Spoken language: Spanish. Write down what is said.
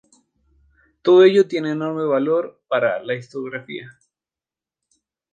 Todo ello tiene enorme valor para la historiografía.